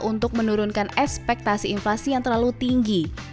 untuk menurunkan ekspektasi inflasi yang terlalu tinggi